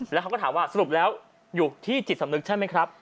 แล้วเขาก็ถามว่าสรุปแล้วอยู่ที่จิตสำนึกใช่ไหมครับ